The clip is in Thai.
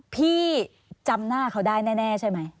พี่จำหน้าเขาได้แน่ใช่ไหม